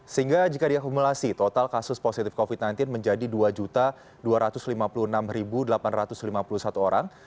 sehingga jika diakumulasi total kasus positif covid sembilan belas menjadi dua dua ratus lima puluh enam delapan ratus lima puluh satu orang